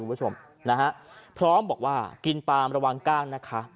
เพราะบอกว่ากินปลาระวังก้างนะคะ